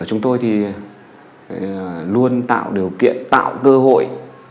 chúng tôi luôn tạo điều kiện tạo cơ hội